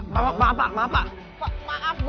kamu kemana lu